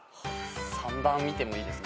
３番見てもいいですか？